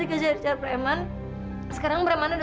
ini raja apaan nih